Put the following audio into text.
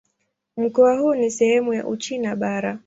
Mkoa huu ni sehemu ya Uchina Bara.